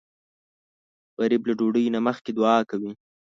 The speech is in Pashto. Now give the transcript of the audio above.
غریب له ډوډۍ نه مخکې دعا کوي